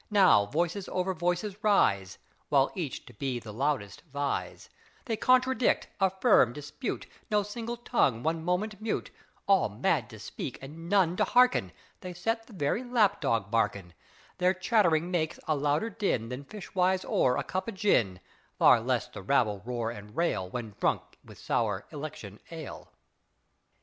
Now voices over voices rise, While each to be the loudest vies; They contradict, affirm, dispute, No single tongue one moment mute; All mad to speak, and none to hearken, They set the very lapdog barking; Their chattering makes a louder din Than fish wives o'er a cup of gin; Far less the rabble roar and rail When drunk with sour election ale."